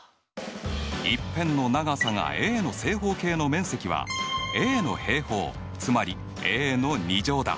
一辺の長さがａの正方形の面積はａの平方つまりａの２乗だ。